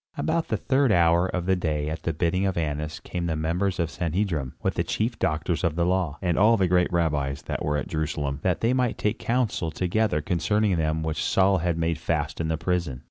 About the third hour of the day at the bidding of Annas came the members of the Sanhedrim, with the chief doctors of the law, and all the great rabbis that were at Jerusalem, that they might take council together concerning them which Saul had made fast in the prison.